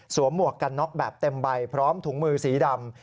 หมวกกันน็อกแบบเต็มใบพร้อมถุงมือสีดำ